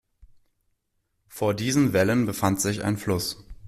Vor diesen Wällen befand sich ein Fluss.